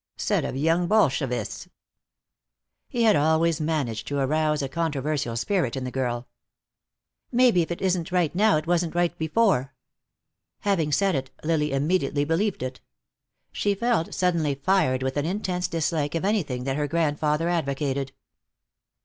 Set of young Bolshevists!" He had always managed to arouse a controversial spirit in the girl. "Maybe, if it isn't right now, it wasn't right before." Having said it, Lily immediately believed it. She felt suddenly fired with an intense dislike of anything that her grandfather advocated.